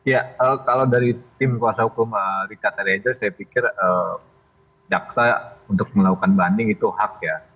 ya kalau dari tim kuasa hukum richard eliezer saya pikir jaksa untuk melakukan banding itu hak ya